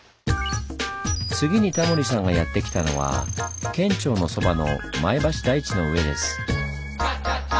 次にタモリさんがやって来たのは県庁のそばの前橋台地の上です。